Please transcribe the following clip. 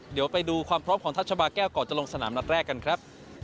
เดี๋ยวไปดูความพร้อมของทัชบาแก้วก่อนจะลงสนามนัดแรกกันครับ